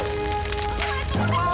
mama aku bukan